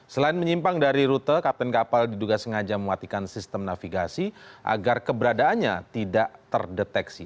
selain menyimpang dari rute kapten kapal diduga sengaja mematikan sistem navigasi agar keberadaannya tidak terdeteksi